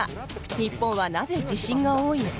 日本はなぜ地震が多いのか。